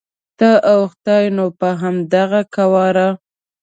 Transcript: ته او خدای نو په همدغه قواره.